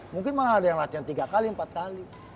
mungkin malah ada yang latihannya tiga kali empat kali